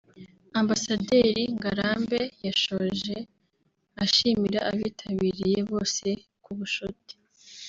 Ambasaderi Ngarambe yashoje ashimira abitabiriye bose ku bucuti